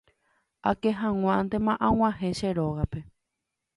Akehag̃uántema ag̃uahẽ che rógape.